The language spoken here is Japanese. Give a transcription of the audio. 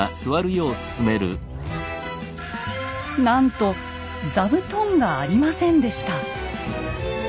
なんと座布団がありませんでした。